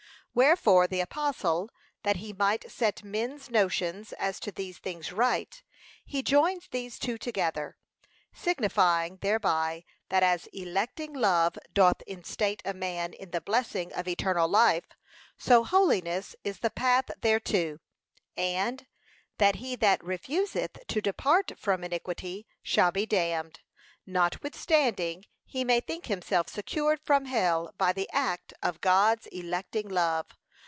Wherefore the apostle, that he might set men's notions as to these things right, he joins these two together, signifying thereby, that as electing love doth instate a man in the blessing of eternal life; so holiness is the path thereto; and, that he that refuseth to depart from iniquity shall be dammed; notwithstanding he may think himself secured from hell by the act of God's electing love.